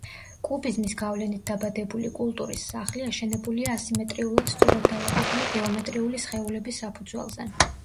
კუბიზმის გავლენით დაბადებული კულტურის სახლი, აშენებულია ასიმეტრიულად სწორად დალაგებული გეომეტრიული სხეულების საფუძველზე.